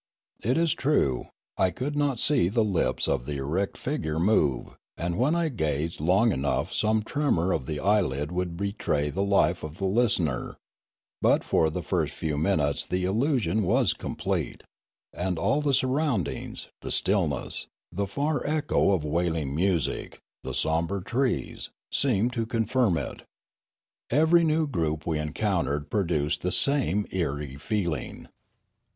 It is true, I could not see the lips of the erect figure move, and when I gazed long enough some tremor of the eyelid would betray the life of the listener; but for the first few minutes the illusion was complete, and all the surroundings, the stillness, the far echo of wailing music, the sombre trees, seemed jo Limanora to confirm it. Every new group we encountered pro duced the same eerie feeling.